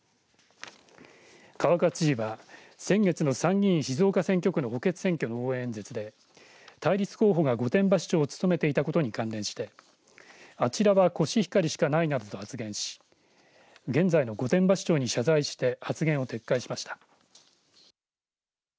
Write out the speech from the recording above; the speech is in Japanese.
川勝知事は先月の参議院静岡選挙区の補欠選挙の応援演説で対立候補が御殿場市長を務めていたことに関連してあちらはコシヒカリしかないなどと発言し現在の御殿場市長に謝罪して発言を撤回しました。